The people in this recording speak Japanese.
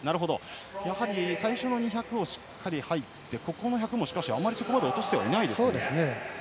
やはり最初の２００をしっかり入って、ここの１００もそこまで落としていないですね。